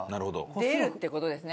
出るっていう事ですね。